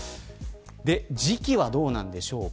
時期はどうなんでしょうか。